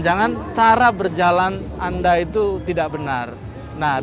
wah ini pasti paling kayaknya seperti dua pecah b horo